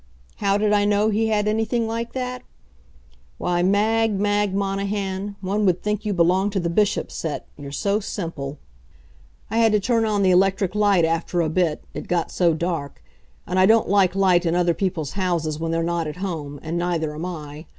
How did I know he had anything like that? Why, Mag, Mag Monahan, one would think you belonged to the Bishop's set, you're so simple! I had to turn on the electric light after a bit it got so dark. And I don't like light in other people's houses when they're not at home, and neither am I.